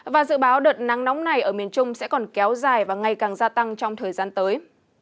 và dự báo đợt nắng nóng này ở miền trung sẽ còn kéo dài và ngày càng gia tăng trong thời gian tới